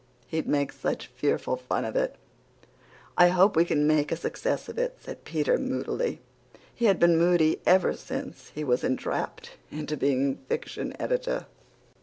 He'd make such fearful fun of it." "I hope we can make a success of it," said Peter moodily. He had been moody ever since he was entrapped into being fiction editor.